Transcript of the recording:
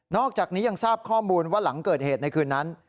อกจากนี้ยังทราบข้อมูลว่าหลังเกิดเหตุในคืนนั้น